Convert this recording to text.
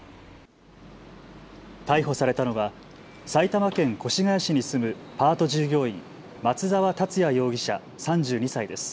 逮捕されたのは埼玉県越谷市に住むパート従業員、松澤達也容疑者、３２歳です。